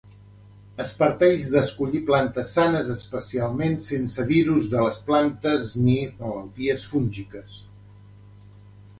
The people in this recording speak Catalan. Es parteix d’escollir plantes sanes especialment sense virus de les plantes ni malalties fúngiques.